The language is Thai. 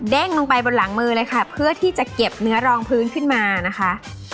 ลงไปบนหลังมือเลยค่ะเพื่อที่จะเก็บเนื้อรองพื้นขึ้นมานะคะ